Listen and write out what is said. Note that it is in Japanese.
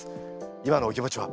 今のお気持ちは？